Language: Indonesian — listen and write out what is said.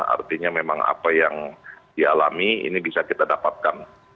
artinya memang apa yang dialami ini bisa kita dapatkan